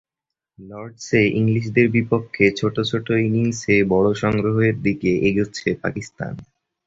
লর্ডসে ইংলিশদের বিপক্ষে ছোট ছোট ইনিংসে বড় সংগ্রহের দিকে এগুচ্ছে পাকিস্তান।